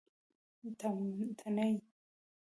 تڼۍ